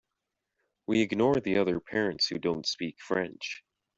We ignore the other parents who don’t speak French.